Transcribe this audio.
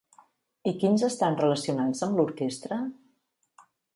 I quins estan relacionats amb l'orquestra?